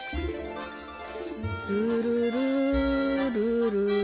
ルルルルルル。